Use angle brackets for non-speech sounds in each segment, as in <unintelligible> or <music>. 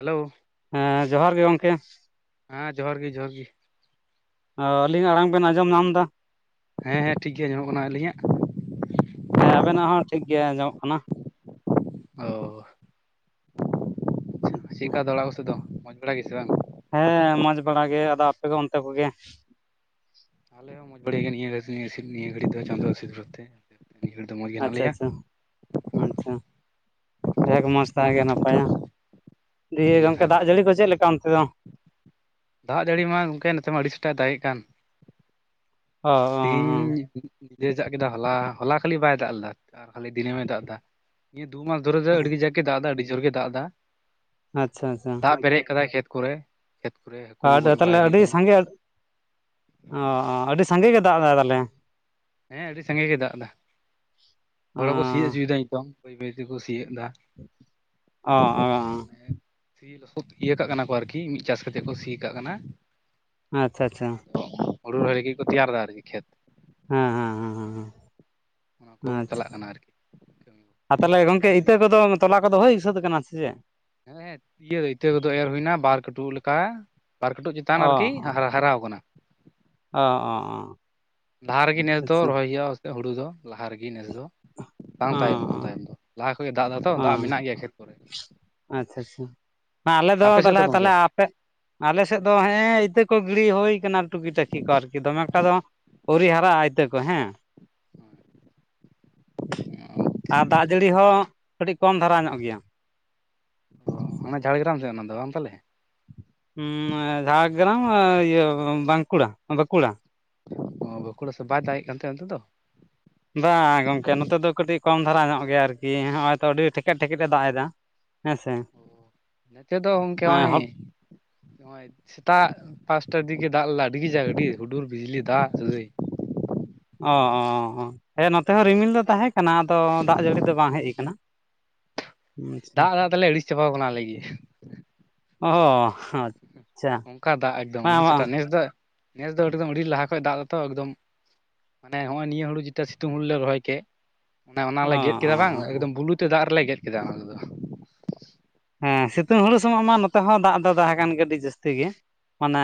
Hello ᱦᱮᱸ ᱡᱚᱦᱟᱨ ᱜᱮ ᱜᱚᱢᱠᱮ ᱦᱮᱸ ᱡᱚᱦᱟᱨ ᱜᱮ ᱡᱚᱦᱟᱨ ᱜᱮ ᱚ ᱟᱹᱞᱤᱧᱟᱜ ᱟᱲᱟᱝ ᱵᱤᱱ ᱟᱸᱡᱚᱢ ᱧᱟᱢ ᱫᱟ ᱦᱮᱸ ᱦᱮᱸ ᱴᱷᱤᱠ ᱜᱮ ᱟᱸᱡᱢᱚᱜ ᱠᱟᱱᱟ ᱟᱹᱞᱤᱧᱟᱜ ᱦᱮᱸ ᱟᱵᱮᱱᱟᱜ ᱦᱚᱸ ᱴᱷᱤᱠ ᱜᱮᱭᱟ ᱟᱸᱡᱚᱢᱚᱜ ᱠᱟᱱᱟ ᱚ ᱟᱪᱪᱷᱟ ᱪᱮᱫᱠᱟ ᱫᱚ ᱚᱲᱟᱜ ᱠᱚᱥᱮ ᱫᱚ ᱢᱚᱡᱽ ᱵᱟᱲᱟ ᱜᱮᱥᱮ ᱵᱟᱝ ᱦᱮᱸ ᱢᱚᱡᱽ ᱵᱟᱲᱟ ᱜᱮ ᱟᱫᱚ ᱟᱯᱮ ᱫᱚ ᱚᱱᱛᱮ ᱠᱚᱜᱮ ᱟᱞᱮ ᱦᱚᱸ ᱢᱚᱡᱽ ᱵᱟᱲᱮ ᱜᱮᱭᱟ ᱱᱤᱭᱟᱹ ᱱᱤᱭᱟᱹ ᱜᱷᱟᱹᱲᱤ ᱫᱚ ᱪᱟᱸᱫᱳ ᱟᱥᱤᱨ ᱵᱟᱫ ᱛᱮ ᱱᱤᱭᱟᱹ ᱜᱷᱟᱹᱲᱤ ᱫᱚ ᱢᱚᱡᱽ ᱜᱮ ᱦᱮᱱᱟᱜ ᱟᱪᱪᱷᱟ ᱞᱮᱭᱟ ᱦᱮᱸ ᱢᱚᱡᱽ ᱛᱟᱦᱮᱸ ᱜᱮ ᱱᱟᱯᱟᱭᱟ ᱫᱤᱭᱮ ᱠᱷᱟᱡ ᱜᱚᱝᱠᱮ ᱫᱚ ᱫᱟᱜ ᱡᱟᱹᱲᱤ ᱠᱚ ᱪᱮᱫ ᱞᱮᱠᱟ ᱚᱱᱛᱮ ᱫᱚ ᱫᱟᱜ ᱡᱟᱹᱲᱤ ᱢᱟ ᱜᱚᱝᱠᱮ ᱱᱚᱛᱮ ᱢᱟ ᱟᱹᱰᱤ ᱥᱮᱴᱟᱜ ᱫᱟᱜᱮᱜ ᱠᱟᱱ ᱚ ᱛᱤᱦᱤᱧ <inaudible> ᱡᱮᱹ ᱡᱟᱜ ᱠᱮᱫᱟ ᱦᱚᱞᱟ ᱦᱚᱞᱟ ᱠᱷᱟᱹᱞᱤ ᱵᱟᱭ ᱫᱟᱜ ᱞᱮᱫᱟ ᱟᱨ ᱠᱷᱟᱹᱞᱤ ᱫᱤᱱᱟᱹᱢᱮ ᱫᱟᱜ ᱫᱟ ᱱᱤᱭᱟᱹ ᱫᱩ ᱢᱟᱥ ᱫᱷᱚᱨᱮ ᱫᱚ ᱟᱹᱰᱤ ᱡᱟᱠ ᱜᱮ ᱫᱟᱜ ᱫᱟ ᱟᱹᱰᱤ ᱡᱳᱨ ᱜᱮ ᱫᱟᱜ ᱫᱟ ᱟᱪᱪᱷᱟ ᱟᱪᱪᱷᱟ ᱫᱟᱜ ᱯᱮᱨᱮᱡ ᱠᱟᱫᱟᱭ ᱠᱷᱮᱛ ᱠᱚᱨᱮ ᱠᱷᱮᱛ ᱠᱚᱨᱮ ᱦᱟᱹᱠᱩ ᱟᱨ ᱜᱚᱡ ᱵᱟᱲᱟᱭ ᱛᱟᱦᱞᱮ ᱦᱩᱭᱩᱜ ᱟᱹᱰᱤ ᱠᱟᱱᱟ ᱥᱟᱸᱜᱮ ᱚ ᱟᱹᱰᱤ ᱥᱟᱸᱜᱮ ᱜᱮ ᱫᱟᱜ ᱫᱟᱭ ᱛᱟᱦᱚᱞᱮ ᱦᱮᱸ ᱟᱹᱰᱤ ᱥᱟᱸᱜᱮ ᱜᱮ ᱫᱟᱜ ᱫᱟ ᱦᱚᱲ ᱚ ᱦᱚᱠᱚ ᱥᱤᱭᱚᱜ ᱪᱚᱭᱮᱫᱟ ᱦᱤᱛᱚᱝ ᱵᱟᱹᱭ ᱵᱟᱹᱭ ᱛᱮᱠᱚ ᱥᱤ ᱢᱟᱱᱮ ᱚ-ᱚ ᱥᱤ ᱞᱚᱥᱚᱫ ᱤᱭᱟᱹ ᱠᱟᱜ ᱠᱟᱱᱟ ᱠᱚ ᱟᱨᱠᱤ ᱢᱤᱫ ᱪᱟᱥ ᱠᱟᱛᱮᱫ ᱠᱚ ᱥᱤ ᱠᱟᱜ ᱠᱟᱱᱟ ᱟᱪᱪᱷᱟ ᱟᱪᱪᱷᱟ ᱦᱳᱲᱳ ᱨᱚᱦᱚᱭ ᱞᱟᱹᱜᱤᱫ ᱠᱚ ᱛᱮᱭᱟᱨ ᱫᱟ ᱟᱨᱠᱤ ᱠᱷᱮᱛ ᱦᱟᱸ ᱦᱟᱸ ᱦᱟᱸ ᱦᱟᱸ ᱚᱱᱟ ᱦᱟᱸ ᱠᱚ ᱟᱪᱪᱷᱟ ᱪᱟᱞᱟᱜ ᱠᱟᱱᱟ ᱟᱨᱠᱤ ᱠᱟᱹᱢᱤ ᱠᱚ ᱟᱨ ᱛᱟᱦᱚᱞᱮ ᱜᱚᱝᱠᱮ ᱤᱛᱟᱹ ᱯᱤᱰᱷᱟᱹᱞᱟᱜ ᱠᱚᱫᱚ ᱛᱚᱞᱟ ᱠᱚᱫᱚ ᱦᱳᱭ ᱥᱟᱹᱛ ᱠᱟᱱᱟ ᱥᱮ ᱪᱮᱫ ᱦᱮᱸ ᱦᱮᱸ ᱤᱭᱟᱹ ᱤᱛᱟᱹ ᱠᱚᱫᱚ ᱮᱹᱨ ᱦᱳᱭᱱᱟ ᱵᱟᱨ ᱠᱟᱹᱴᱩᱵ ᱞᱮᱠᱟ ᱵᱟᱨ ᱠᱟᱹᱴᱩᱵ ᱪᱮᱛᱟᱱ ᱚ ᱟᱨᱠᱤ ᱦᱟ-ᱦᱟᱨᱟᱣ ᱠᱟᱱᱟ ᱚ ᱚ ᱚ ᱞᱟᱦᱟ ᱨᱮᱜᱮ ᱱᱮᱥ ᱫᱚ ᱟᱪᱪᱷᱟ ᱨᱚᱦᱚᱭ ᱦᱳᱭᱳᱜᱼᱟ ᱦᱩᱲᱩ ᱫᱚ ᱞᱟᱦᱟ ᱨᱮᱜᱮ ᱱᱮᱥ ᱫᱚ ᱵᱟᱝ ᱚ ᱛᱟᱭᱚᱢᱚᱜ-ᱟ ᱚ ᱛᱟᱭᱚᱢ ᱫᱚ ᱞᱟᱦᱟ ᱠᱷᱚᱡ ᱫᱟᱜ ᱫᱟᱭ ᱛᱚ ᱚ ᱫᱟᱜ ᱢᱮᱱᱟᱜ ᱜᱮᱭᱟ ᱠᱷᱮᱛ ᱠᱚᱨᱮ ᱟᱪᱪᱷᱟ ᱟᱪᱪᱷᱟ ᱟᱞᱮ ᱫᱚ ᱟᱯᱮ ᱥᱮᱫ ᱛᱟᱦᱚᱞᱮ ᱜᱚᱝᱠᱮ ᱛᱟᱦᱚᱞᱮ ᱟᱯᱮ ᱟᱞᱮ ᱥᱮᱫ ᱫᱚ ᱦᱮᱹᱜ ᱮ ᱤᱛᱟᱹ ᱜᱤᱲᱤ ᱦᱳᱭ ᱠᱟᱱᱟ ᱴᱩᱠᱤ ᱴᱟᱠᱤ ᱠᱚ ᱟᱨᱠᱤ ᱫᱚᱢᱮ ᱮᱠᱴᱟ ᱫᱚ ᱵᱟᱝ ᱚᱣᱨᱤ ᱦᱟᱨᱟᱜᱼᱟ ᱤᱛᱟᱹ ᱠᱚ ᱦᱮᱸ ᱟᱨ ᱫᱟᱜ ᱡᱟᱹᱲᱤ ᱦᱚᱸ ᱠᱟᱹᱴᱤᱡ ᱠᱚᱢ ᱫᱷᱟᱨᱟ ᱧᱚᱜ ᱜᱮᱭᱟ ᱚᱱᱟ ᱡᱷᱟᱲᱜᱨᱟᱢ ᱥᱮᱫ ᱚᱱᱟ ᱫᱚ ᱵᱟᱝ ᱛᱟᱦᱟᱞᱮ ᱦᱩᱸ ᱮ ᱡᱷᱟᱲᱜᱨᱟᱢ ᱤᱭᱟᱹ ᱵᱟᱸᱠᱩᱲᱟ ᱵᱟᱠᱩᱲᱟ ᱚ ᱵᱟᱸᱠᱩᱲᱟ ᱥᱮ ᱵᱟᱭ ᱫᱟᱜ ᱮ ᱠᱟᱱᱛᱮ ᱚᱱᱛᱮ ᱫᱚ ᱵᱟᱝ ᱜᱚᱢᱠᱮ ᱱᱚᱛᱮ ᱫᱚ ᱠᱟᱹᱴᱤᱡ ᱠᱚᱢ ᱫᱷᱟᱨᱟ ᱧᱚᱜ ᱜᱮᱭᱟ ᱟᱨᱠᱤ ᱦᱚᱸᱜᱼᱚᱭ ᱛᱚ ᱟᱹᱰᱤ ᱴᱷᱮᱠᱮᱫ ᱴᱷᱮᱠᱮᱫ ᱮ ᱫᱟᱜ ᱮᱫᱟ ᱦᱮᱸᱥᱮ ᱱᱚᱛᱮ ᱫᱚ ᱜᱚᱝᱠᱮ ᱱᱚᱜᱼᱚᱭ ᱦᱚᱞ ᱱᱚᱜᱼᱚᱭ ᱥᱮᱛᱟᱜ ᱯᱟᱸᱪᱴᱟ ᱫᱤᱠ <unintelligible> ᱫᱟᱜ ᱞᱟᱜᱟᱭ ᱟᱹᱰᱤ ᱜᱮ ᱡᱟ ᱟᱹᱰᱤ ᱦᱩᱰᱩᱨ ᱵᱤᱡᱽᱞᱤ ᱫᱟᱜ ᱚ-ᱚ-ᱚ ᱦᱮᱸ ᱱᱚᱛᱮ ᱟᱹᱰᱤ ᱦᱚᱸ ᱡᱳᱨ ᱨᱤᱢᱤᱞ ᱫᱚ ᱛᱟᱦᱮᱸ ᱠᱟᱱᱟ ᱟᱫᱚ ᱫᱟᱜ ᱡᱟᱹᱲᱤ ᱫᱚ ᱵᱟᱝ ᱦᱮᱡ ᱠᱟᱱᱟ ᱫᱟᱜ ᱫᱟᱜ ᱛᱮᱞᱮ ᱟᱹᱲᱤᱥ ᱪᱟᱵᱟᱟᱣ ᱠᱟᱱᱟ ᱟᱞᱮ ᱜᱮ ᱚ ᱦᱟᱪ ᱚᱱᱠᱟ ᱫᱟᱜ ᱮᱠᱫᱚᱢ ᱟᱹᱰᱤ <unintelligible> ᱱᱮᱥ ᱫᱚ ᱱᱮᱥ ᱫᱚ ᱫᱚᱢ ᱟᱹᱰᱤ ᱞᱟᱦᱟ ᱠᱷᱚᱡ ᱫᱟᱜ ᱛᱚ ᱮᱠᱫᱚᱢ ᱢᱟᱱᱮ ᱦᱚᱸᱜᱼᱚᱭ ᱱᱤᱭᱟᱹ ᱦᱩᱲᱩ ᱡᱮᱴᱟ ᱥᱤᱛᱩᱝ ᱦᱩᱲᱩ ᱞᱮ ᱨᱚᱦᱚᱭ ᱠᱮᱫ ᱚᱱᱟ ᱚᱱᱟᱞᱮ ᱚ ᱜᱮᱫ ᱠᱮᱫᱟ ᱵᱟᱝ ᱚ ᱮᱠᱫᱚᱢ ᱵᱩᱞᱩ ᱛᱮ ᱫᱟᱜ ᱨᱮᱞᱮ ᱜᱮᱫ ᱠᱮᱫᱟ ᱦᱮᱸ ᱥᱤᱛᱩᱝ ᱦᱩᱲᱩ ᱥᱚᱢᱚᱭ ᱢᱟ ᱱᱚᱛᱮ ᱦᱚᱸ ᱫᱟᱜ ᱫᱚ ᱫᱟᱜ ᱟᱠᱟᱱ ᱜᱮ ᱠᱟᱹᱴᱤᱡ ᱡᱟᱹᱥᱛᱤ ᱜᱮ ᱢᱟᱱᱮ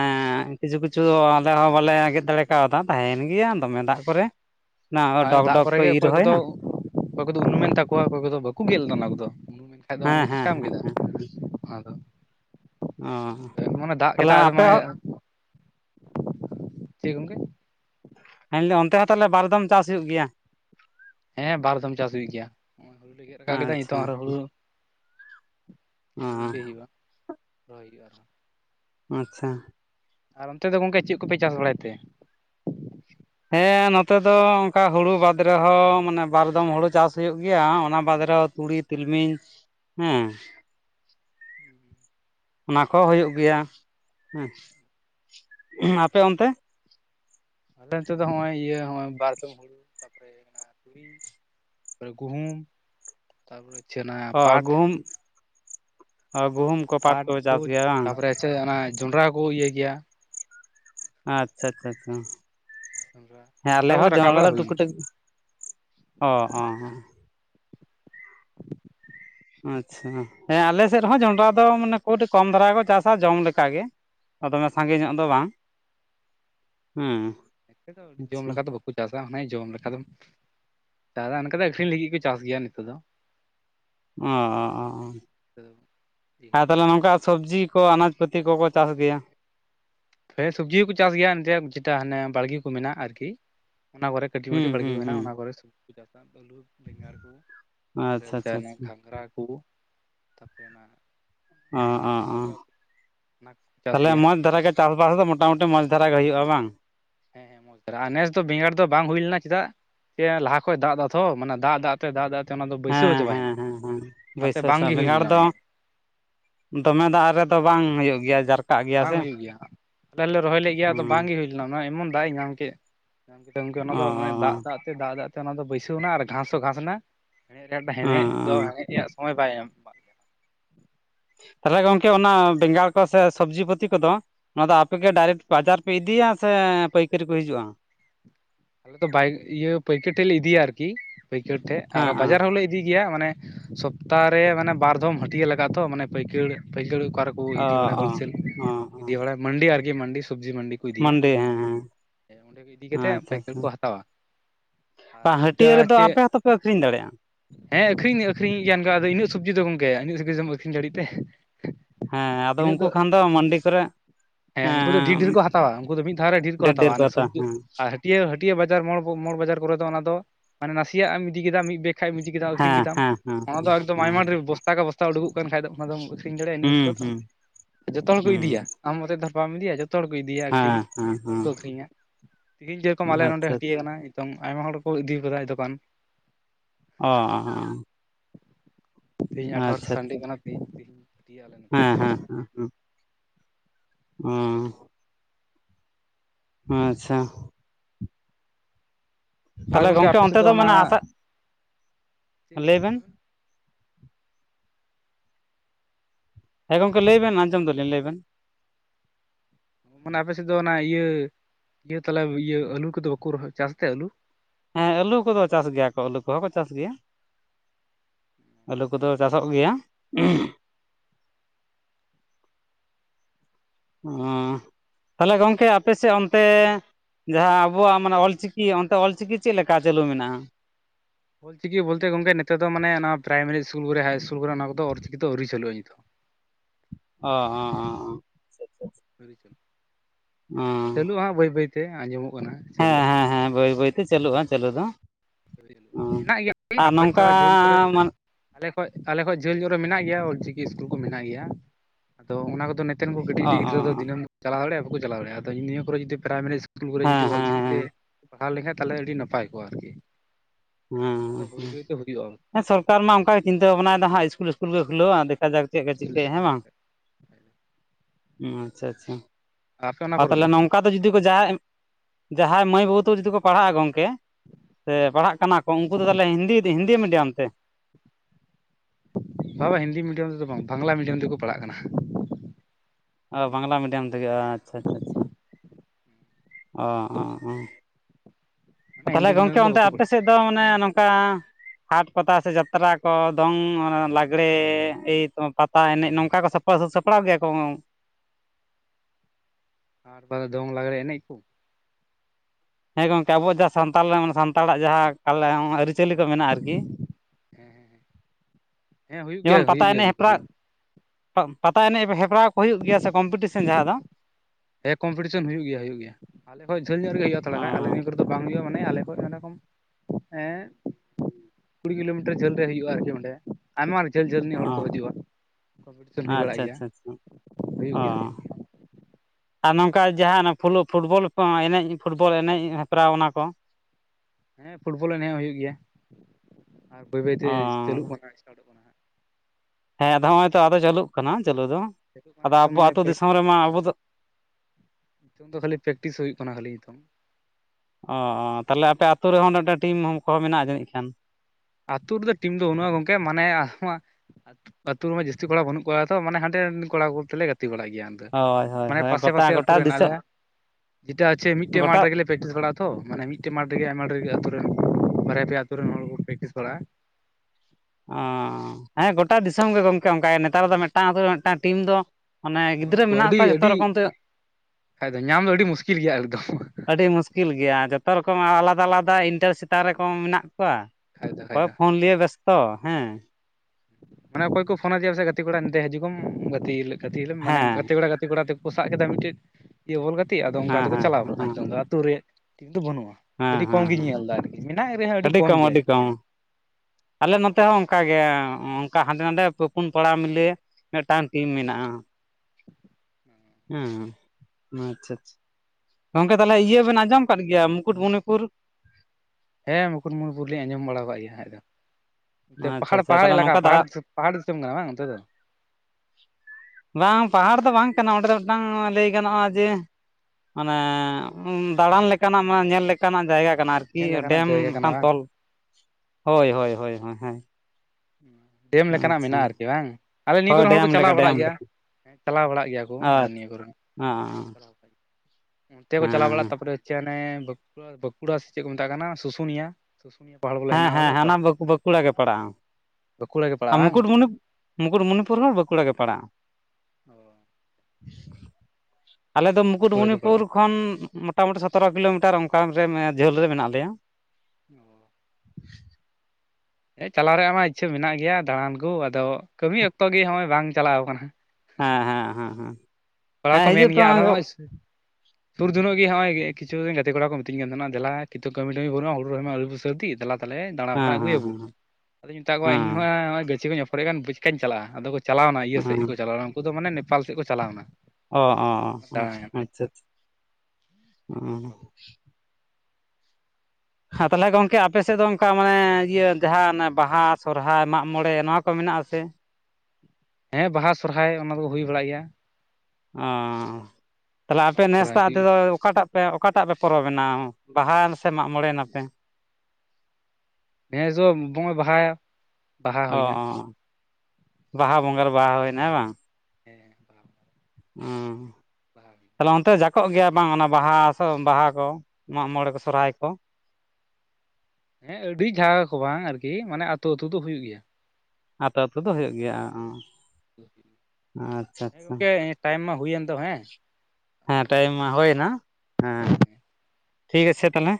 ᱠᱤᱪᱷᱩ ᱠᱤᱪᱷᱩ ᱟᱞᱮ ᱦᱚᱸ ᱵᱟᱞᱮ ᱜᱮᱫ ᱫᱟᱲᱮ ᱠᱟᱣᱫᱟ ᱛᱟᱦᱮᱭᱮᱱ ᱜᱮᱭᱟ ᱫᱚᱢᱮ ᱫᱟᱜ ᱠᱚᱨᱮ ᱚᱱᱟ ᱟᱭᱮ ᱰᱚᱜᱽ ᱫᱟᱜ ᱰᱚᱜᱽ ᱠᱚᱨᱮ ᱠᱚ ᱜᱮ ᱤᱨ ᱚᱠᱚᱭ ᱠᱚᱫᱚ ᱦᱩᱭᱱᱟ ᱚᱠᱚᱭ ᱠᱚᱫᱚ ᱩᱱᱩᱢᱮᱱ ᱛᱟᱠᱚᱣᱟ ᱚᱠᱚᱭ ᱠᱚᱫᱚ ᱵᱟᱠᱩ ᱜᱮᱫ ᱞᱮᱫᱟ ᱚᱱᱟ ᱠᱚᱫᱚ ᱩᱱᱩᱢᱮᱱ ᱠᱷᱟᱱ ᱫᱚ ᱚᱱᱟ ᱦᱮᱸ ᱫᱚ ᱦᱮᱸ ᱪᱤᱠᱟᱢ ᱦᱮᱸ ᱠᱮᱫᱟ ᱦᱮᱸ ᱟᱫᱚ ᱚ ᱮᱢᱚᱱᱮ ᱫᱟᱜ ᱛᱟᱦᱚᱞᱮ ᱠᱮᱫᱟᱭ ᱟᱨ ᱟᱯᱮ ᱢᱟᱱᱮ ᱪᱮᱜ ᱜᱚᱝᱠᱮ ᱮᱱ <unintelligible> ᱚᱱᱛᱮ ᱦᱚᱸ ᱛᱟᱦᱚᱞᱮ ᱵᱟᱨ ᱫᱚᱢ ᱪᱟᱥ ᱦᱳᱭᱳᱜ ᱜᱤᱭᱟ? ᱦᱮᱸ ᱵᱟᱨ ᱫᱷᱚᱢ ᱪᱟᱥ ᱦᱩᱭᱩᱜ ᱜᱤᱭᱟ ᱦᱚᱜᱼᱚᱭ ᱦᱩᱲᱩ ᱞᱮ ᱜᱮᱫ ᱨᱟᱠᱟᱜ ᱠᱟᱫᱟ ᱦᱤᱛᱚᱜ ᱟᱪᱪᱷᱟ ᱟᱨᱚᱸ ᱦᱩᱲᱩ ᱦᱩᱲᱩ ᱤᱭᱟᱹᱭ ᱦᱳᱭᱳᱜᱼᱟ ᱨᱚᱦᱚᱭ ᱦᱳᱭᱳᱜᱼᱟ ᱟᱨᱦᱚᱸ ᱟᱪᱪᱷᱟ ᱟᱨ ᱚᱱᱛᱮ ᱫᱚ ᱜᱚᱝᱠᱮ ᱪᱮᱫ ᱠᱚᱯᱮ ᱪᱟᱥ ᱵᱟᱲᱟᱭ ᱛᱮ? ᱮᱸ ᱱᱚᱛᱮ ᱫᱚ ᱚᱝᱠᱟ ᱦᱳᱲᱳ ᱵᱟᱫᱽ ᱨᱮᱦᱚ ᱢᱟᱱᱮ ᱵᱟᱨ ᱫᱚᱢ ᱦᱳᱲᱳ ᱪᱟᱥ ᱦᱳᱭᱳᱜ ᱜᱤᱭᱟ ᱚᱱᱟ ᱵᱟᱫᱽ ᱨᱮᱦᱚ ᱛᱩᱲᱤ ᱛᱤᱞᱢᱤᱧ ᱦᱮᱸ <inaudible> ᱚᱱᱟ ᱠᱚ ᱦᱳᱭᱳᱜ ᱜᱤᱭᱟ ᱩᱸ ᱟᱯᱮ ᱚᱱᱛᱮ᱾ ᱟᱞᱮ ᱱᱤᱛᱚᱜ ᱫᱚ ᱦᱚᱸᱜᱼᱚᱭ ᱤᱭᱟᱹ ᱵᱟᱨᱫᱚᱢ ᱦᱩᱲᱩ ᱛᱟᱨᱯᱚᱨᱮ ᱚᱱᱟ ᱛᱩᱲᱤ ᱛᱟᱨᱯᱚᱨᱮ ᱜᱩᱦᱩᱢ ᱛᱟᱨᱯᱚᱨᱮ ᱚ <unintelligible> ᱯᱟᱴ ᱜᱩᱦᱩᱢ ᱚ ᱜᱩᱦᱩᱢ ᱠᱚ ᱯᱟᱴ ᱠᱚ ᱪᱟᱥ ᱜᱮᱭᱟ ᱵᱟᱝ ᱛᱟᱨᱯᱚᱨᱮ <unintelligible> ᱚᱱᱟ ᱡᱚᱱᱰᱨᱟ ᱠᱚ ᱤᱭᱟᱹ ᱜᱮᱭᱟ ᱟᱪᱪᱷᱟ ᱟᱪᱪᱷᱟ ᱟᱪᱪᱷᱟ ᱡᱚᱱᱰᱨᱟ ᱦᱮᱸ ᱟᱞᱮ ᱡᱚᱱᱰᱨᱟ ᱠᱚᱫᱚ ᱦᱚᱸ ᱨᱟᱠᱟᱵ ᱡᱚᱢᱲᱟ ᱵᱟᱲᱟ ᱫᱚ ᱦᱩᱭᱱᱟ ᱴᱩᱠᱩᱴᱩᱠ ᱚ ᱦᱚᱸ ᱦᱚᱸ ᱟᱪᱪᱷᱟ ᱦᱮᱸ ᱟᱞᱮ ᱥᱮᱫ ᱦᱚᱸ ᱚ ᱡᱚᱱᱰᱨᱟ ᱫᱚ ᱢᱟᱱᱮ <unintelligible> ᱠᱚᱢ ᱫᱷᱟᱨᱟ ᱜᱮ ᱠᱚ ᱪᱟᱥᱟ ᱡᱚᱢ ᱞᱮᱠᱟ ᱜᱮ ᱚ ᱫᱚᱢᱮ ᱥᱟᱸᱜᱮ ᱧᱚᱜ ᱫᱚ ᱵᱟᱝ ᱦᱮᱸ <unintelligible> ᱡᱚᱢ ᱟᱪᱪᱷᱟ ᱞᱮᱠᱟ ᱫᱚ ᱵᱟᱠᱚ ᱪᱟᱥᱟ ᱚᱱᱮ ᱡᱚᱢ ᱞᱮᱠᱟ ᱫᱚ <unintelligible> ᱚᱱᱠᱟ ᱫᱚ ᱟᱹᱠᱷᱨᱤᱧ ᱞᱟᱹᱜᱤᱫ ᱠᱚ ᱪᱟᱥ ᱜᱮᱭᱟ ᱱᱤᱛᱚᱜ ᱫᱚ <unintelligible> ᱛᱟᱦᱚᱞᱮ ᱱᱚᱝᱠᱟ ᱥᱚᱵᱽᱡᱤ ᱠᱚ ᱟᱱᱟᱡᱽ ᱯᱟᱛᱤ ᱠᱚᱠᱚ ᱪᱟᱥ ᱜᱮᱭᱟ ᱦᱮᱸ ᱥᱚᱵᱽᱡᱤ ᱦᱚᱸᱠᱚ ᱪᱟᱥ ᱜᱮᱭᱟ ᱮᱛᱮ ᱡᱮᱴᱟ ᱦᱟᱱᱮ ᱵᱟᱲᱜᱮ ᱠᱚ ᱢᱮᱱᱟᱜᱼᱟ ᱟᱨᱠᱤ ᱚᱱᱟ ᱠᱚᱨᱮ ᱠᱟᱹᱴᱤᱡ ᱦᱩᱸ ᱢᱟᱴᱤᱡ ᱵᱟᱲᱜᱮ ᱦᱩᱸ ᱠᱚ ᱦᱮᱱᱟ ᱦᱩᱸ ᱚᱱᱟ ᱠᱚᱨᱮ ᱥᱚᱵᱽ ᱠᱚ ᱪᱟᱥᱟ ᱟᱹᱞᱩ ᱵᱮᱸᱜᱟᱲ ᱠᱚ ᱟᱪᱪᱷᱟ ᱛᱟᱯᱚᱨᱮᱪ ᱟᱪᱪᱷᱟ ᱚᱱᱟ ᱟᱪᱪᱷᱟ ᱜᱷᱟᱸᱝᱽᱨᱟ ᱠᱚ ᱛᱟᱯᱚᱨᱮ ᱚᱱᱟ ᱚᱸᱚᱸᱚᱸ ᱠᱷᱤᱨᱟ ᱠᱚ ᱚᱱᱟ ᱠᱚ ᱪᱟᱥ ᱛᱟᱦᱞᱮ ᱜᱮᱭᱟ ᱢᱚᱸᱡᱽ ᱫᱷᱟᱨᱟ ᱜᱮ ᱪᱟᱥ <unintelligible> ᱫᱚ ᱢᱚᱴᱟᱢᱩᱴᱤ ᱢᱚᱸᱡᱽ ᱫᱷᱟᱨᱟ ᱜᱮ ᱦᱩᱭᱩᱜᱼᱟ ᱵᱟᱝ ᱦᱮᱸ ᱦᱮᱸ ᱢᱚᱡᱽ ᱫᱷᱟᱨᱟ ᱟᱨ ᱱᱮᱥ ᱫᱚ ᱵᱮᱸᱜᱟᱲ ᱫᱚ ᱵᱟᱝ ᱦᱩᱭ ᱞᱮᱱᱟ ᱪᱮᱫᱟᱜ ᱦᱮᱸ ᱞᱟᱦᱟ ᱠᱷᱚᱡ ᱫᱟᱜ ᱫᱟᱜ ᱛᱷᱚ ᱢᱟᱱᱮ ᱫᱟᱜ ᱫᱟᱜ ᱛᱮ ᱫᱟᱜ ᱫᱟᱜ ᱛᱮ ᱚᱱᱟ ᱫᱚ ᱵᱟᱹᱭᱥᱟᱹᱣ ᱦᱮᱸ ᱪᱟᱵᱟᱭᱮᱱᱟ ᱦᱮᱸ ᱦᱮᱸ ᱦᱮᱸ ᱚᱱᱟᱛᱮ ᱵᱟᱹᱭᱥᱟᱹ ᱵᱟᱝᱜᱮ ᱦᱩᱭ ᱵᱮᱸᱜᱟᱲ ᱞᱮᱱᱟ ᱫᱚ ᱚᱱᱟ ᱫᱚᱢᱮ ᱫᱟᱜ ᱨᱮᱫᱚ ᱵᱟᱝ ᱦᱩᱭᱩᱜ ᱜᱮᱭᱟ ᱡᱟᱨᱠᱟᱜ ᱜᱮᱭᱟ ᱵᱟᱝ ᱥᱮ ᱦᱩᱭᱩᱜ ᱜᱮᱭᱟ ᱟᱞᱮ ᱞᱮ ᱨᱚᱦᱚᱭ ᱞᱮᱫ ᱜᱮᱭᱟ ᱟᱫᱚ ᱦᱩᱸ ᱵᱟᱝᱜᱮ ᱦᱩᱭ ᱞᱮᱱᱟ ᱮᱢᱚᱱ ᱫᱟᱜ ᱮ ᱧᱟᱢ ᱠᱮᱫ ᱜᱚᱢᱠᱮ ᱚᱱᱟ ᱫᱚ ᱚ ᱚ ᱢᱟᱱᱮ ᱚ ᱫᱟᱜ ᱫᱟᱜ ᱛᱮ ᱫᱟᱜ ᱫᱟᱜ ᱛᱮ ᱚᱱᱟ ᱫᱚ ᱵᱟᱹᱭᱥᱟᱹᱣ ᱮᱱᱟ ᱟᱨ ᱜᱷᱟᱥ ᱦᱚᱸ ᱜᱷᱟᱥ ᱮᱱᱟ ᱦᱮᱲᱦᱮᱫ ᱨᱮᱭᱟᱜ ᱦᱮᱦᱮᱫ ᱫᱚ ᱦᱮᱸ ᱦᱮᱲᱦᱮᱫ ᱨᱮᱭᱟᱜ ᱥᱚᱢᱚᱭ ᱵᱟᱭ <unintelligible> ᱜᱮᱭᱟ ᱛᱟᱦᱚᱞᱮ ᱜᱚᱝᱠᱮ ᱚᱱᱟ ᱵᱮᱸᱜᱟᱲ ᱠᱚ ᱥᱮ ᱥᱚᱵᱽᱡᱤ ᱯᱟᱹᱛᱤ ᱠᱚᱫᱚ ᱱᱚᱣᱟ ᱫᱚ ᱟᱯᱮᱜ ᱜᱮ ᱰᱟᱭᱨᱮᱠᱴ ᱵᱟᱡᱟᱨ ᱯᱮ ᱤᱫᱤᱭᱟ ᱥᱮ ᱯᱟᱹᱭᱠᱟᱹᱨᱤ ᱠᱚ ᱦᱤᱡᱩᱜᱼᱟ <inaudible> ᱟᱞᱮᱫᱚ ᱵᱟᱭ ᱤᱭᱟᱹ ᱯᱟᱹᱭᱠᱟᱹᱨ ᱴᱷᱮᱡ ᱞᱮ ᱤᱫᱤᱭᱟ ᱟᱨᱠᱤ ᱯᱟᱹᱭᱠᱟᱹᱨ ᱴᱷᱮᱡ ᱟᱨ ᱦᱮᱸ ᱵᱟᱡᱟᱨ ᱦᱚᱸᱞᱮ ᱤᱫᱤ ᱜᱮᱭᱟ ᱢᱟᱱᱮ ᱥᱚᱯᱛᱟᱦᱮ ᱢᱟᱱᱮ ᱵᱟᱨᱫᱚᱢ ᱦᱟᱹᱴᱭᱟᱹ ᱞᱟᱜᱟᱜᱼᱟ ᱛᱚ ᱢᱟᱱᱮ ᱯᱟᱹᱭᱠᱟᱹᱨᱟᱹᱲ ᱯᱟᱹᱭᱠᱟᱹᱲ ᱚᱠᱟ ᱨᱮᱠᱚ ᱚ ᱤᱫᱤ ᱵᱟᱲᱟᱭᱟ ᱦᱳᱞᱥᱹ ᱚ <unintelligible> ᱚ ᱤᱫᱤ ᱵᱟᱲᱟᱭᱟ ᱢᱟᱱᱰᱤ ᱟᱨᱠᱤ ᱢᱟᱱᱰᱤ ᱥᱚᱵᱽᱡᱤ ᱢᱟᱱᱰᱤ ᱠᱚ ᱤᱫᱤᱭᱟ ᱢᱟᱱᱰᱤ ᱦᱮᱸ ᱦᱮᱸ ᱚᱸᱰᱮ ᱠᱚ ᱤᱫᱤ ᱠᱟᱛᱮ ᱟᱪᱪᱷᱟ ᱟᱪᱪᱷᱟ ᱠᱚ ᱦᱟᱛᱟᱣᱟ ᱟᱨ ᱵᱟᱝ ᱦᱟᱹᱴᱭᱟᱹ ᱡᱮᱴᱟ ᱨᱮᱫᱚ ᱪᱮᱫ ᱟᱯᱮ ᱦᱚᱸᱛᱚᱯᱮ ᱟᱹᱠᱷᱨᱤᱧ ᱫᱟᱲᱮᱭᱟᱜᱼᱟ ᱦᱮᱸ ᱟᱹᱠᱷᱨᱤᱧ ᱟᱹᱠᱷᱨᱤᱧ ᱜᱮ ᱠᱟᱱᱟᱱ ᱟᱫᱚ ᱩᱱᱟᱹᱜ ᱥᱚᱵᱡᱤ ᱫᱚ ᱜᱚᱢᱠᱮ ᱤᱱᱟᱹ ᱥᱚᱵᱡᱤ ᱫᱚᱢ ᱟᱹᱠᱷᱨᱤᱧ ᱫᱟᱲᱮᱜ ᱛᱮ ᱦᱮᱸ ᱟᱫᱚ ᱩᱱᱠᱩ ᱠᱷᱟᱱ ᱫᱚ ᱢᱟᱱᱰᱤ ᱠᱚᱨᱮ ᱦᱮᱸ ᱩᱱᱠᱩ ᱫᱚ ᱰᱷᱮᱨ ᱰᱷᱮᱨ ᱠᱚ ᱦᱟᱛᱟᱣᱟ ᱩᱱᱠᱩ ᱫᱚ ᱢᱤᱫ ᱫᱷᱟᱣ ᱨᱮ ᱰᱷᱮᱨ ᱠᱚ ᱦᱟᱛᱟᱣᱟ ᱥᱚᱵᱡᱤ ᱟᱨ ᱦᱟᱴᱭᱟ ᱦᱟᱹᱴᱭᱟᱹ ᱵᱟᱡᱟᱨ ᱢᱳᱲ ᱵᱟᱡᱟᱨ ᱠᱚᱨᱮ ᱫᱚ ᱚᱱᱟ ᱫᱚ ᱢᱟᱱᱮ ᱱᱟᱥᱮᱭᱟᱜ ᱮᱢ ᱤᱫᱤ ᱠᱮᱫᱟ ᱢᱤᱫ ᱵᱮᱜ ᱟᱱ ᱠᱷᱟᱡ ᱤᱫᱤ ᱠᱮᱫᱟᱢ ᱟᱹᱷᱨᱤᱧ ᱦᱮᱸ ᱠᱮᱫᱟᱢ ᱦᱮᱸ ᱦᱮᱸ ᱚᱱᱟ ᱫᱚ ᱮᱠᱫᱚᱢ ᱦᱮᱸ ᱟᱭᱢᱟ ᱰᱮᱨ ᱵᱚᱥᱛᱟ ᱠᱮ ᱵᱚᱥ ᱩᱰᱩᱠᱚᱜ ᱠᱟᱱ ᱠᱷᱟᱡ ᱫᱚ ᱚᱱᱟᱫᱚᱢ ᱟᱹᱠᱷᱨᱤᱧ ᱫᱟᱲᱮᱼᱟ ᱤᱱᱟᱹ ᱦᱩᱸ ᱩᱥᱟᱹᱨᱟᱹ ᱫᱚ ᱦᱩᱸ ᱡᱚᱛᱚ ᱦᱚᱲ ᱠᱚ ᱦᱩᱸ ᱤᱫᱤᱭᱟ ᱟᱢ ᱢᱚᱛᱮ ᱫᱚ ᱵᱟᱢ ᱤᱫᱤᱭᱟ ᱾ ᱡᱚᱛᱚ ᱦᱚᱲ ᱠᱚ ᱤᱫᱤᱭᱟ ᱟᱹᱠᱷᱨᱤᱧ ᱦᱮᱸ ᱦᱮᱸ ᱡᱚᱛᱚ ᱦᱚᱲ ᱠᱚ ᱦᱮᱸ ᱟᱹᱠᱷᱨᱤᱧᱟ ᱾ ᱛᱤᱦᱤᱧ ᱡᱮᱨᱚᱠᱚᱢ ᱟᱞᱮ ᱱᱚᱸᱰᱮ ᱟᱪᱪᱷᱟ ᱦᱟᱹᱴᱭᱟᱹ ᱠᱟᱱᱟ ᱱᱤᱛᱚᱝ ᱟᱭᱢᱟ ᱦᱚᱲ ᱠᱚ ᱤᱫᱤ ᱠᱟᱫᱟ ᱫᱚᱠᱟᱱ ᱚᱸ ᱛᱮᱦᱮᱧ <unintelligible> ᱥᱟᱱᱰᱮ ᱠᱟᱱᱟ ᱛᱮᱦᱮᱧ ᱛᱮᱦᱮᱧ ᱦᱮᱸ ᱦᱮᱸ ᱦᱮᱸ ᱦᱮᱸᱼᱼ ᱦᱚᱸ ᱟᱪᱪᱷᱟ ᱾ ᱟᱨ ᱛᱟᱦᱚᱞᱮ ᱜᱚᱝᱠᱮ ᱜᱚᱢᱠᱮ ᱟᱯᱮ ᱥᱮᱫ ᱚᱱᱛᱮ ᱫᱚ ᱚᱱᱟ ᱢᱟᱱᱮ ᱟᱥᱟᱜ ᱞᱟᱹᱭ ᱵᱮᱱ <unintelligible> ᱦᱮᱸ ᱜᱚᱢᱠᱮ ᱞᱟᱹᱭ ᱵᱮᱱ ᱟᱸᱡᱚᱢ ᱫᱟᱞᱤᱧ ᱞᱟᱹᱭ ᱵᱤᱱ ᱚᱱᱟ ᱟᱯᱮ ᱥᱮᱫ ᱫᱚ ᱚᱱᱟ ᱤᱭᱟᱹ ᱤᱭᱟᱹ ᱛᱟᱞᱮ ᱤᱭᱟᱹ ᱟᱹᱞᱩ ᱠᱚᱫᱚ ᱵᱟᱝᱠᱚ ᱪᱟᱥ ᱛᱮ ᱟᱹᱞᱩ? ᱦᱮᱸ ᱟᱹᱞᱩ ᱠᱚᱫᱚ ᱪᱟᱥ ᱜᱮᱭᱟ ᱠᱚ ᱟᱹᱞᱩ ᱠᱚᱦᱚᱸ ᱠᱚ ᱪᱟᱥ ᱜᱮᱭᱟ ᱾ ᱟᱞᱩ ᱠᱚᱫᱚ ᱪᱟᱥᱚᱜ ᱜᱮᱭᱟ ᱾ ᱚ ᱛᱟᱦᱞᱮ ᱜᱚᱢᱠᱮ ᱟᱯᱮ ᱥᱮᱫ ᱚᱱᱛᱮ ᱡᱟᱦᱟᱸ ᱟᱵᱚᱣᱟᱜ ᱢᱮ ᱚᱞᱪᱤᱠᱤ ᱚᱱᱛᱮ ᱚᱞᱪᱤᱠᱤ ᱪᱮᱫ ᱞᱮᱠᱟ ᱪᱟᱹᱞᱩ ᱢᱮᱱᱟᱜᱼᱟ ᱾ ᱚᱞᱪᱤᱠᱤ ᱵᱚᱞᱛᱮ ᱜᱚᱝᱠᱮ ᱱᱤᱛᱚᱜ ᱫᱚ ᱢᱟᱱᱮ ᱚᱱᱟ ᱯᱨᱟᱭᱢᱟᱨᱤ ᱤᱥᱠᱩᱞ ᱦᱟᱭ ᱤᱥᱠᱩᱞ ᱠᱚᱨᱮ ᱚᱱᱟ ᱠᱚᱫᱚ ᱚᱞᱪᱤᱠᱤ ᱫᱚ ᱟᱹᱣᱨᱤ ᱪᱟᱹᱞᱩᱜᱼᱟ ᱱᱤᱛᱚᱜ ᱾ <inaudible> ᱦᱚᱸ ᱪᱟᱹᱞᱩᱜᱼᱟ ᱦᱟᱸᱜ ᱵᱟᱹᱭ ᱵᱟᱹᱭᱛᱮ ᱟᱸᱡᱚᱢᱚᱜ ᱠᱟᱱᱟ ᱦᱮᱸ ᱪᱟᱹᱞᱩᱜᱼᱟ ᱾ ᱦᱮᱸ ᱦᱮᱸ ᱵᱟᱹᱭ ᱵᱟᱹᱭᱛᱮ ᱪᱟᱹᱞᱩᱜᱼᱟ ᱪᱟᱹᱞᱩ ᱫᱚ ᱢᱮᱱᱟᱜ ᱜᱮᱭᱟ ᱟᱨ ᱱᱚᱝᱠᱟ ᱟᱞ ᱡᱷᱟᱹᱞ ᱨᱮ ᱢᱟᱱᱮ ᱟᱞᱮ <inaudible> ᱟᱞᱮ ᱠᱷᱚᱡ ᱡᱷᱟᱹᱞ ᱧᱚᱜ ᱨᱮ ᱢᱮᱱᱟᱜ ᱜᱮᱭᱟ ᱚᱞ ᱪᱤᱠᱤ ᱤᱥᱠᱩᱞ ᱠᱚ ᱢᱮᱱᱟᱜ ᱜᱮᱭᱟ ᱟᱫᱚ ᱚᱱᱟ ᱠᱚᱫᱚ ᱱ ᱠᱟᱴᱤᱪ ᱚ ᱠᱟᱴᱤᱪ ᱚ ᱜᱤᱫᱽᱨᱟ ᱫᱚᱤᱱᱱᱟᱢ ᱪᱟᱣᱟᱲᱭᱟᱜᱼᱟ ᱵᱟᱠᱚ ᱪᱞᱟᱣ ᱫᱟᱲᱼᱟ ᱱᱤᱭᱟᱹ ᱠᱚᱨᱮ ᱡᱩᱫᱤ ᱯᱨᱟᱭᱢᱟᱤ ᱤᱥ ᱤᱥᱠᱩᱞ ᱠᱚᱨᱮ ᱦᱮᱸ ᱡᱩᱫᱤ ᱦᱮᱸ ᱦᱮᱸ ᱚᱞᱪᱤᱠᱤᱛᱮ ᱯᱟᱲᱦᱟᱣ ᱞᱮᱱᱠᱟᱱᱡ ᱛᱟᱦᱚᱞᱮ ᱟᱹᱰᱤ ᱱᱟᱯᱟᱭ ᱠᱚᱜᱼᱟ ᱟᱨᱠᱤ ᱟᱫᱚ ᱦᱮᱸ ᱵᱟᱹᱭ ᱦᱮᱸ ᱵᱟᱹᱭᱛᱮ ᱦᱩᱭᱩᱜᱼᱟ ᱦᱮᱸ ᱥᱚᱨᱠᱟᱨ ᱢᱟ ᱚᱱᱠᱟᱜ ᱜᱮ ᱪᱤᱱᱛᱟᱹ ᱵᱷᱟᱱᱟᱭᱮᱫ ᱦᱟᱸᱜ ᱤᱥᱠᱩᱞ ᱤᱥᱠᱩᱞ ᱜᱮ ᱠᱷᱩᱞᱟᱹᱣᱟ ᱫᱮᱠᱷᱟ ᱡᱟᱠ ᱪᱮᱫ ᱠᱚ ᱪᱤᱠᱟᱹᱭᱼᱟ ᱦᱮᱸ ᱵᱟᱝ? ᱦ <inaudible> ᱟᱪᱪᱷᱟ ᱟᱪᱪᱷᱟ ᱟᱨ ᱛᱟᱦᱚᱞᱮ ᱱᱚᱝᱠᱟ ᱫᱚ ᱡᱩᱫᱤ ᱠᱚ ᱡᱟ ᱡᱟᱦᱟᱸᱭ ᱢᱟᱹᱭ ᱵᱟᱹᱵᱩ ᱛᱮᱠᱚ ᱡᱩᱫᱤ ᱠᱚ ᱯᱟᱲᱦᱟᱜᱼᱟ ᱜᱚᱝᱠᱮ ᱥᱮ ᱵᱟᱝ ᱯᱟᱲᱦᱟᱜ ᱠ ᱠᱟᱱᱟ ᱠᱚ ᱩᱱᱠᱩ ᱫᱚ ᱛᱟᱦᱮ ᱦᱤᱱᱫᱤ ᱢᱤᱰᱤᱭᱟᱢ ᱛᱮ ᱵᱟᱵᱟ ᱦᱤᱱᱫᱤ ᱢᱤᱰᱤᱭᱟᱢ ᱛᱮᱫᱚ ᱵᱟᱝ ᱵᱟᱝᱞᱟ ᱢᱤᱰᱤᱭᱟᱢ ᱛᱮᱠᱚ ᱯᱟᱲᱟᱜ ᱠᱟᱱᱟ ᱾ ᱚ ᱵᱟᱝᱞᱟ ᱢᱤᱰᱤᱭᱟᱢ ᱛᱮᱜᱮ ᱟᱪᱪᱷᱟ ᱟᱪᱪᱷᱟ ᱟᱪᱪᱷᱟ ᱚ ᱢᱟᱱᱮ ᱛᱟᱦᱚᱞᱮ ᱦᱤᱱᱫᱤ ᱜᱚᱢᱠᱮ ᱢᱤᱰᱤᱭᱟᱢ ᱫᱚ ᱚᱱᱛᱮ ᱵᱟᱠᱚ ᱯᱟᱲᱦᱟᱜ ᱟᱯᱮ ᱥᱮᱫ ᱫᱚ ᱢᱟᱱᱮ ᱱᱚᱝᱠᱟ - ᱦ <unintelligible> ᱦᱟᱴ ᱯᱟᱛᱟ ᱥᱮ ᱡᱟᱛᱨᱟ ᱠᱚ ᱫᱚᱝ ᱞᱟᱜᱽᱲᱮ ᱮᱭ ᱯᱟᱛᱟ ᱮᱱᱮᱡ ᱱᱚᱝᱠᱟ ᱠᱚ ᱥᱟᱯᱚᱦ ᱥᱟᱯᱲᱟᱣ ᱜᱮᱭᱟ ᱠᱚ ᱾ ᱟᱨ ᱵᱟ ᱫᱚᱝ ᱞᱟᱜᱽᱲᱮ ᱮᱱᱮᱡ ᱠᱚ ᱦᱮᱸ ᱜᱚᱢᱠᱮ ᱟᱵᱚᱣᱟᱜ ᱡᱟᱦᱟᱸ ᱥᱟᱱᱛᱟᱲ ᱢᱟᱱᱮ ᱥᱟᱱᱛᱟᱲᱟᱜ ᱡᱟᱦᱟᱸ ᱠᱟᱞᱮ ᱟᱹᱨᱤᱪᱟᱹᱞᱤ ᱠᱚ ᱢᱮᱱᱟᱜᱼᱟ ᱟᱨᱠᱤ? ᱦᱮᱸ ᱦᱮᱸ ᱦᱮᱸ ᱦᱩᱭᱩᱜ ᱜᱮᱭᱟ ᱡᱮᱢᱚᱱ ᱯᱟᱛᱟ ᱦᱩᱭᱩᱜ ᱜᱮᱭᱟ ᱮᱱᱮᱡ ᱜᱚᱝᱠᱮ ᱦᱮᱯᱨᱟᱣ ᱦᱩᱭᱩᱜ ᱯᱟᱛᱟ ᱮᱱᱮᱡ ᱦᱮᱯᱨᱟᱣ ᱠᱚ ᱦᱩᱭᱩᱜ ᱜᱮᱭᱟ ᱥᱮ ᱠᱚᱢᱯᱤᱴᱤᱥᱮᱱ ᱡᱟᱦᱟᱸ ᱫᱚ ᱦᱮᱸ ᱠᱚᱢᱯᱤᱴᱤᱥᱚᱱ ᱦᱩᱭᱩᱜ ᱜᱮᱭᱟ ᱦᱩᱭᱩᱜ ᱜᱮᱭ ᱟᱞᱮ ᱠᱷᱡ ᱡᱷᱟᱹᱞ ᱧᱚᱜ ᱨᱮᱜᱮ ᱦᱩᱭᱩᱜ ᱛᱷᱲᱟ ᱚ ᱠᱟ ᱟᱞᱮ ᱱᱤᱭᱟ ᱠᱚᱨᱮᱫᱚ ᱵᱟᱝ ᱦᱩᱭᱩᱜᱼᱟ ᱾ ᱢᱟᱱᱮ ᱟᱞᱮ ᱠᱷᱚᱡ ᱡᱚᱠᱚᱢ ᱦᱮᱸ <unintelligible> ᱠᱩᱲᱤ ᱠᱤᱞᱳᱢᱤᱴᱟᱨ ᱡᱷᱟᱹᱞ ᱨᱮ ᱦᱩᱭᱩᱜᱼᱟ ᱟᱨᱠᱤ ᱚᱸᱰᱮ ᱟᱭᱢᱟ ᱡᱷᱟᱹᱞ ᱡᱷᱟᱹᱞ ᱨᱤᱱᱤᱡ ᱦᱚᱲ ᱚ ᱠᱚ ᱦᱤᱡᱩᱜᱼᱟ ᱾ ᱠᱚᱢᱯᱤᱴᱤᱥᱮᱱ ᱦᱩᱭ ᱵᱟᱲᱟᱜ ᱟᱪᱪᱷᱟ ᱜᱮᱭᱟ ᱟᱪᱪᱷᱟ ᱟᱪᱪᱷᱟ ᱦᱩᱭᱩᱜ ᱜᱮᱭᱟ ᱚ ᱦᱩᱭᱩᱜ ᱜᱮᱭᱟ ᱾ ᱟᱨ ᱱᱚᱝᱠᱟ ᱡᱟᱦᱟᱸ ᱯᱷᱩᱴᱵᱚᱞ ᱮᱱᱮᱡ ᱯᱷᱩᱴᱵᱚᱞ ᱮᱱᱮᱡ ᱦᱮᱯᱨᱟᱣ ᱚᱱᱟ ᱠᱚ ᱦᱮᱸ ᱯᱷᱩᱴᱵᱚᱞ ᱦᱚᱸ ᱱᱮ ᱦᱩᱭᱩᱜ ᱜᱮᱭᱟ ᱟᱨ ᱵᱟᱹᱭ ᱵᱟᱹᱭᱛᱮ ᱚ ᱪᱟᱹᱞᱩᱜ ᱠᱟᱱᱟ ᱥᱴᱟᱴᱚᱜ ᱠᱟᱱᱟ ᱦᱮᱸ ᱦᱩᱭᱩᱜ ᱠᱟᱱ ᱱᱚᱜᱼᱚᱭ ᱜᱮᱭᱟ ᱛᱚ ᱟᱫᱚ ᱪᱟᱹᱞᱩᱜ ᱠᱟᱱᱟ ᱪᱟᱹᱞᱩ ᱫᱚ ᱱᱤᱛᱚᱜ ᱠᱟᱱᱟ ᱟᱫᱚ ᱱᱤᱛᱚᱝ ᱟᱵᱚ ᱱᱚᱜᱼᱚᱭ ᱟᱹᱛᱩ ᱫᱤᱥᱚᱢ ᱯᱨᱮᱠᱴᱤ ᱨᱮᱢᱟ ᱟᱵᱚ ᱫᱚ ᱱᱤᱛᱚᱝ ᱫᱚ ᱠᱷᱟᱹᱞᱤ ᱯᱮᱠᱴᱤᱥ ᱦᱩᱭᱩᱜ ᱠᱟᱱᱟ ᱠᱷᱟᱹᱞᱤ ᱱᱤᱛᱚᱝ ᱚ ᱛᱟᱦᱚᱞᱮ ᱟᱯᱮ ᱟᱹᱛᱩ ᱨᱮᱦᱚᱸᱰᱮ ᱴᱤᱢ ᱠᱚᱦᱚᱸ ᱢᱮᱱᱟᱜᱼᱟ ᱡᱟᱹᱱᱤᱡ ᱠᱷᱟᱱ ᱟᱹᱛᱩ ᱨᱮᱫᱚ ᱴᱤᱢ ᱫᱚ ᱵᱟᱹᱱᱩᱜᱼᱟ ᱜᱚᱢᱠᱮ ᱢᱟᱱᱮ ᱟᱹᱛᱩ ᱨᱮᱢᱟ ᱡᱟᱹᱥᱛᱤ ᱠᱚᱲᱟ ᱵᱟᱹᱱᱩᱜ ᱠᱚᱣᱟ ᱛᱚ ᱢᱟᱱᱮ ᱦᱟᱸᱰᱮ ᱠᱚᱲᱟ ᱠᱚᱛᱮᱞᱮ ᱜᱟᱛᱮ ᱡᱩᱛᱤ ᱵᱟᱲᱟᱜ ᱜᱮᱭᱟ ᱟᱫᱚ ᱦᱳᱭ ᱦᱳᱭ ᱢᱟᱱᱮ ᱦᱳᱭ ᱯᱟᱥᱮ ᱜᱚᱴᱟ ᱯᱟᱥᱮ ᱜᱚᱴᱟ ᱟᱹᱛᱩᱩᱨ ᱨᱮ ᱦᱮᱱᱟᱜ ᱫᱤᱥᱚᱢ ᱞᱮᱭᱟ᱾ ᱡᱮᱴᱟ ᱟᱪᱮᱴ ᱜᱚᱴᱟ ᱢᱟᱴᱷ ᱨᱮᱜᱮᱞᱮ ᱯᱨᱮᱠᱴᱤᱥ ᱵᱟᱲ ᱟ ᱛᱚ ᱢᱮ ᱢᱤᱫᱴᱮᱱ ᱢᱟᱴᱷ ᱨᱮᱜ ᱟᱭᱢᱟ ᱨᱮᱜᱮ ᱨᱮᱱ ᱵᱟᱨᱭᱟ ᱯᱮᱭᱟ ᱟ ᱟᱹᱛᱩ ᱨᱮᱱ ᱦᱚᱲ ᱠᱚ ᱯᱨᱮᱠᱴᱤᱥ ᱵᱟᱲᱟᱜᱼᱟ᱾ ᱚ ᱦᱮᱸ ᱜᱚᱴᱟ ᱫᱤᱥᱚᱢ ᱜᱮ ᱜᱚᱢᱠᱮ ᱚᱱᱠᱟᱜ ᱱᱮᱛᱟᱨ ᱫᱚ ᱢᱤᱫᱴᱟᱝ ᱢᱤᱫᱴᱟᱝ ᱴᱤᱢ ᱫᱚ ᱢᱟᱱᱮ ᱜᱤᱫᱽᱨᱟᱹ ᱵᱟᱹᱱᱩᱜ ᱢᱮᱱᱟᱜ ᱟᱹᱰᱤ ᱠᱚᱣᱟ ᱡᱚᱛᱚ ᱟᱹᱰᱤ ᱨᱚᱠᱚᱢ ᱛᱮ ᱠᱷᱟᱡ ᱫᱚ ᱧᱟᱢ ᱫᱚ ᱟᱹᱰᱤ ᱢᱩᱥᱠᱤᱞ ᱜᱮᱭᱟ ᱮᱠᱫᱚᱢ ᱟᱹᱰᱤ ᱢᱩᱥᱠᱤᱞ ᱜᱮᱭᱟ ᱡᱚᱛᱚ ᱨᱚᱠᱚᱢ ᱟᱞᱟᱫᱟ ᱟᱞᱟᱫᱟ ᱤᱱᱴᱟᱨᱮᱥ ᱥᱮᱮᱛᱟᱱ ᱨᱮᱠᱚ ᱢᱮᱱᱟᱜ ᱠᱚᱣᱟ ᱠᱷᱟᱡ ᱫᱚ ᱠᱷᱟᱡ ᱚᱠᱚᱭ ᱫᱚ ᱯᱷᱳᱱ ᱞᱤᱭᱮ ᱵᱮᱥᱛᱚ ᱦᱮᱸ ᱢᱟᱱᱮ ᱚᱠᱚᱭ ᱠᱚ ᱯᱷᱳᱱ ᱟᱫᱮᱭᱟ ᱯᱟᱥᱮ ᱜᱟᱛᱮ ᱠᱚᱲᱟ ᱱᱛᱮ ᱦᱤᱡᱩᱜᱢ ᱜᱟᱛᱮ ᱜᱟᱛᱮ ᱞᱮ ᱢᱟᱱᱮ ᱦᱮᱸ ᱜᱟᱛᱮ ᱠᱚᱲᱟ ᱜᱟᱛᱮ ᱠᱚᱲᱟ ᱯᱚᱥᱟᱜ ᱠᱮᱫᱟ ᱢᱤᱫᱴᱮᱡ ᱤᱭᱟᱹ ᱵᱚᱞ ᱜᱟᱛᱮᱜ ᱟᱫᱚ ᱚᱱᱠᱟ ᱦᱮᱸ ᱛᱮᱠᱚ ᱦᱮᱸ ᱪᱟᱞᱟᱣ ᱦᱮᱸ ᱠᱟᱱᱟ ᱟᱹᱛᱩᱳ ᱨᱮ ᱴᱤᱢ ᱫᱚ ᱵᱟᱹᱱᱩᱜᱼᱟ ᱦᱮᱸ ᱟᱹᱰᱤ ᱠᱚᱢ ᱦᱮᱸ ᱜᱤᱧ ᱦᱮᱸ ᱧᱮᱞ ᱮᱫᱟ ᱟᱨᱠᱤ ᱢᱮᱱᱟᱜ ᱨᱮᱦᱚᱸ ᱟᱹᱰᱤ ᱠᱚᱢ ᱜᱮᱭᱟ ᱟᱨᱠᱤ ᱟᱞᱮ ᱟᱹᱰᱤ ᱠᱚᱢ᱾ ᱱᱚᱛᱮ ᱦᱚᱸ ᱚᱱᱠᱟ ᱜᱮ ᱚᱱᱠᱟ ᱦᱟᱸᱰᱮ ᱱᱟᱰᱮ ᱯᱚᱯᱩᱱ ᱯᱟᱲᱟᱢ ᱞᱤᱣᱟ ᱢᱤᱫᱴᱟᱝ ᱴᱤᱢ ᱢᱮᱱᱟᱜᱼᱟ᱾ ᱦᱮᱸ ᱟᱪᱪᱷᱟ ᱟᱪᱪᱷᱟ ᱜᱚᱢᱠᱮ ᱛᱟᱦᱞᱮ ᱤᱭᱟᱹ ᱵᱮᱱ ᱟᱸᱡᱚᱢ ᱟᱠᱟᱫᱜᱮᱭᱟ ᱢᱩᱠᱩᱴᱢᱚᱱᱤᱯᱩᱨ ᱦᱮᱸ ᱢᱩᱠᱩᱴᱢᱩᱱᱤᱯᱩᱨ ᱞᱤᱧ ᱟᱸᱡᱚᱢ ᱵᱟᱲᱟ ᱟᱠᱟᱫ ᱜᱮᱭᱟ ᱦᱟᱸ ᱫᱚ᱾ ᱮ ᱟᱪᱪᱷᱟ ᱯᱟᱦᱟᱲ ᱟᱪᱪᱷᱟ ᱯᱟᱦᱟᱲ ᱛᱟᱦᱚᱞᱮ ᱱᱚᱝᱠᱟ ᱮᱞᱟᱠᱟ ᱯᱟᱦᱟᱲ ᱫᱟᱬᱟ ᱯᱟᱦᱟᱲ ᱫᱤᱥᱚᱢ ᱠᱟᱱᱟ ᱵᱟᱝ ᱚᱱᱛᱮ ᱫᱚ ᱵᱟᱝ ᱯᱟᱦᱟᱲ ᱫᱚ ᱵᱟᱝ ᱠᱟᱱᱟ ᱚᱸᱰᱮ ᱫᱚ ᱢᱤᱫᱴᱟᱝ ᱞᱟᱹᱭ ᱜᱟᱱᱚᱜᱼᱟ ᱡᱮ ᱢᱟᱱᱮ ᱫᱟᱬᱟᱱ ᱞᱮᱠᱟᱱᱟᱜ ᱢᱟᱱᱮ ᱧᱮᱞ ᱞᱮᱠᱟᱱᱟᱜ ᱡᱟᱭᱜᱟ ᱠᱟᱱᱟ ᱟᱨᱠᱤ ᱧᱮᱞ ᱞᱮᱠᱟᱱᱟᱜ ᱰᱮᱢ ᱡᱟᱭᱜᱟ ᱠᱟᱱᱟ ᱢᱤᱫᱴᱟᱝ ᱵᱟᱝ? ᱛᱚᱞ ᱦᱳᱭ ᱦᱳᱭ ᱦᱳᱭ ᱰᱮᱢ ᱞᱮᱠᱟᱱᱟᱜ ᱟᱪᱪᱷᱟ ᱢᱮᱱᱟᱜᱼᱟ ᱟᱨᱠᱤ ᱵᱟᱝ ᱟᱞᱮ ᱱᱤᱭᱟᱹ ᱦᱳᱭ ᱠᱚᱨᱮᱱ ᱦᱚᱲ ᱰᱮᱢ ᱠᱚ ᱞᱮᱠᱟ ᱪᱟᱞᱟᱣ ᱵᱟᱲᱟᱜ ᱰᱮᱢ ᱜᱮᱭᱟ᱾ ᱞᱮᱠᱟ ᱪᱟᱞᱟ ᱵᱟᱲᱟᱜ ᱜᱮᱭᱟ ᱠᱚ ᱟᱞᱮ ᱱᱤᱭᱟᱹ ᱠᱚᱨᱮᱱ᱾ ᱟᱪᱪᱷᱟ ᱚᱱᱛᱮ ᱠᱚ ᱦᱮᱸ ᱪᱟᱞᱟᱣ ᱵᱟᱲᱟᱜᱼᱟ ᱛᱟᱨᱯᱚᱨᱮ ᱪᱮᱱᱮᱸ ᱵᱟᱸᱠᱩᱲᱟ ᱥᱮ ᱪᱮᱫ ᱠᱚ ᱢᱮᱛᱟᱜ ᱠᱟᱱᱟ ᱥᱩᱥᱩᱱᱤᱭᱟᱹ᱾ ᱦᱮᱸ ᱦᱮᱸ ᱦᱮᱸᱟᱱᱟ ᱵᱟᱸᱠᱩᱲᱟ ᱜᱮ ᱯᱟᱲᱟᱜᱼᱟ᱾ ᱵᱟᱸᱠᱩᱲᱟ ᱜᱮ ᱟᱨ ᱯᱟᱲᱟᱜᱼᱟ ᱵᱟᱝ ᱢᱩᱠᱩᱴᱢᱩᱱᱤ ᱢᱩᱠᱩᱴᱢᱩᱱᱤᱯᱩᱨ ᱦᱚᱲ ᱵᱟᱸᱠᱩᱲᱟ ᱜᱮ ᱯᱟᱲᱟᱜᱼᱟ᱾ ᱚ <inaudible> ᱟᱞᱮ ᱫᱚ ᱵᱟᱸᱠᱩᱲᱟ ᱜᱮ ᱢᱩᱠᱩᱴᱢᱚᱱᱤᱯᱩᱨ ᱯᱟᱲᱟᱜᱼᱟ᱾ ᱠᱷᱚᱱ ᱢᱳᱴᱟᱢᱩᱴᱤ ᱥᱚᱛᱮᱨᱚ ᱠᱤᱞᱳᱢᱤᱴᱟᱨ ᱚᱱᱠᱟᱱ ᱨᱮ ᱡᱷᱟᱹᱞ ᱨᱮ ᱢᱮᱱᱟᱜ ᱞᱮᱭᱟ᱾ ᱚ <inaudible> ᱪᱟᱞᱟᱣ ᱨᱮᱭᱟᱜ ᱢᱟ ᱤᱪᱪᱦᱟ ᱢᱮᱱᱟᱜ ᱜᱮᱭᱟ ᱫᱟᱬᱟᱱ ᱠᱚ ᱟᱫᱚ ᱠᱟᱹᱢᱤ ᱚᱠᱛᱚ ᱜᱮ ᱵᱟᱝ ᱪᱟᱞᱟᱣ ᱠᱟᱱᱟ᱾ ᱦᱮᱸ ᱦᱮᱸ ᱦᱮᱸ ᱦᱮᱸ᱾ ᱠᱚᱲᱟ ᱦᱚᱸ ᱦᱮᱸ ᱠᱚ ᱢᱮᱱ ᱦᱤᱡᱩᱜ ᱯᱮ ᱜᱮᱭᱟ ᱚᱱᱟ ᱟᱨᱦᱚᱸ ᱠᱚ <unintelligible> ᱫᱮᱞᱟ ᱛᱟᱦᱚᱞᱮ ᱫᱟᱬᱟᱵᱲᱟ ᱦᱮᱸ ᱦᱮᱸ ᱟᱹᱜᱩᱭᱟᱵᱚ ᱦᱮᱸ ᱟᱫᱚᱧ ᱢᱮᱛᱟ ᱠᱚᱣᱟ ᱤᱧ ᱦᱚᱸᱜ <inaudible> ᱠᱚᱚᱨ ᱜᱟᱱ ᱵᱩᱪᱠᱟᱧ ᱪᱟᱞᱟᱜᱼᱟ ᱟᱫᱚ ᱠᱚ ᱪᱟᱞᱟᱣ ᱮᱱᱟ ᱤᱭᱟᱹ ᱦᱮᱸ ᱥᱮᱫ ᱦᱮᱸ ᱜᱮᱠᱚ ᱪᱟᱞᱟᱣᱱᱟ ᱩᱱᱠᱩᱫᱚ ᱢᱟᱱᱮᱯ ᱱᱮᱯᱟᱞ ᱥᱮᱫ ᱠᱚ ᱪᱟᱞᱟᱣᱱᱟ᱾ ᱚ ᱫᱟᱬᱟᱱ ᱟᱨᱠᱤ ᱟᱪᱪᱷᱟ ᱟᱪᱪᱷᱟ ᱦᱸ ᱛᱟᱦᱚᱞᱮ ᱜᱚᱢᱠᱮ ᱟᱯᱮ ᱥᱮᱫ ᱫᱚ ᱚᱱᱠᱟ ᱢᱟᱱᱮ ᱤᱭᱟᱹ ᱡᱟᱦᱟᱸ ᱵᱟᱦᱟ ᱥᱚᱨᱦᱟᱭ ᱢᱟᱜ ᱢᱚᱬᱮ ᱱᱚᱣᱟ ᱠᱚ ᱢᱮᱱᱟᱜ ᱟ ᱥᱮᱮ <inaudible> ᱦᱮᱸ ᱵᱟᱦᱟ ᱥᱚᱨᱦᱟᱭ ᱚᱱᱟ ᱫᱚ ᱦᱩᱭ ᱵᱟᱲᱟᱜ ᱜᱮᱭᱟ ᱛᱟᱦᱚᱞᱮ ᱟᱯᱮ ᱵᱟᱦᱟ ᱥᱚᱨᱦᱟᱭ ᱱᱮᱥᱛᱟᱟᱜ ᱟ ᱦᱩᱭᱩᱜ ᱛᱮᱫᱚ ᱚᱠᱟᱴᱟᱜ ᱚᱠᱟᱴᱟᱜ ᱯᱮ ᱯᱚᱨᱚᱵᱮ ᱮᱱᱟ ᱵᱟᱦᱟ ᱥᱮ ᱢᱟᱜ ᱢᱚᱬᱮᱸ ᱱᱟᱯᱮ᱾ ᱦᱮᱸ ᱡᱚ ᱵᱚᱸᱜᱟ ᱵᱟᱦᱟ ᱵᱟᱦᱟ ᱚ ᱦᱩᱭᱱᱟ᱾ ᱚ ᱵᱟᱦᱟ ᱵᱚᱸᱜᱟ ᱨᱮ ᱵᱟᱦᱟ ᱦᱩᱭᱱᱟᱮ ᱦᱮᱸᱵᱟᱝ᱾ ᱦᱮᱸ ᱩᱸᱦᱩᱸ ᱵᱟᱦᱟ ᱦᱩᱭᱱᱟ ᱛᱚᱵᱮ ᱚᱱᱛᱮ ᱡᱟᱠ ᱠᱚᱜ ᱜᱮᱭᱟ ᱵᱟᱝ ᱚᱱᱟ ᱵᱟᱦᱟ ᱵᱟᱦᱟ ᱠᱚ ᱢᱟᱜ ᱢᱚᱬᱮ ᱠᱚ ᱥᱚᱨᱦᱟᱭ ᱠᱚ ᱦᱮᱸ ᱟᱹᱰᱤ ᱡᱟᱜᱜᱟ ᱠᱚ ᱵᱟᱝ ᱟᱨᱠᱤ ᱢᱟᱱᱮ ᱟᱹᱛᱩ ᱟᱹᱛᱩ ᱫᱚ ᱦᱩᱭᱩᱜ ᱜᱮᱭᱟ ᱟᱹᱛᱩ ᱟᱹᱛᱩ ᱫᱚ ᱦᱩᱭᱩᱜ ᱜᱮᱭᱟ ᱟᱪᱪᱷᱟ ᱦᱮᱸ ᱟᱪᱪᱷᱟ ᱜᱚᱢᱠᱮ ᱴᱟᱭᱤᱢ ᱢᱟ ᱦᱩᱭᱮᱱ ᱫᱚ ᱦᱮᱸ ᱦᱮᱸ ᱟᱫᱚᱞᱤᱧ ᱴᱟᱭᱤᱢ ᱫᱚᱦᱚᱭᱮᱫᱟ ᱢᱟ ᱦᱩᱭ ᱮᱱᱟ ᱦᱮᱸ ᱴᱷᱤᱠ ᱟᱪᱷᱮ ᱛᱟᱞᱦᱮ